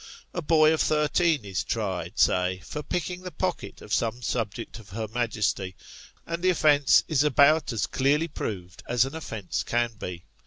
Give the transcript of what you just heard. A boy of thirteen is tried, say for picking the pocket of some subject of her Majesty, and the offence is about as clearly proved as an offence can be.